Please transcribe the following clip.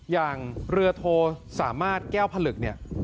อย่างเรือโทสามารถแก้วผลึกเนี่ย